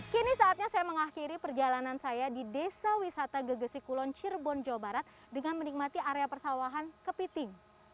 kini saatnya saya mengakhiri perjalanan saya di desa wisata gegesi kulon cirebon jawa barat dengan menikmati area persawahan kepiting